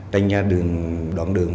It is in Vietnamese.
tênh ra đoạn đường